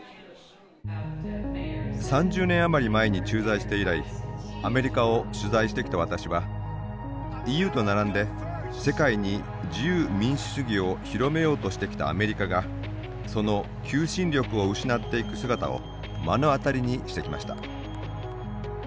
３０年余り前に駐在して以来アメリカを取材してきた私はＥＵと並んで世界に自由民主主義を広めようとしてきたアメリカがその求心力を失っていく姿を目の当たりにしてきました。